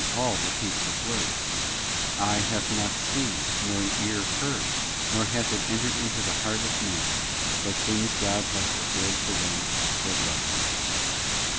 Paul repeats his words, ' Eye hath not seen, nor ear heard, neither hath it entered into the heart of man, what things God hath prepared for them that love Him.